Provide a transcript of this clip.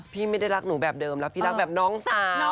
พี่ไม่ได้รักหนูแบบเดิมแล้วพี่รักแบบน้องสาว